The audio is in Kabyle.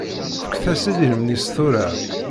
Fket-as idrimen-is tura.